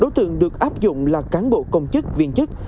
sáu đối tượng được áp dụng là cán bộ công chức viên chức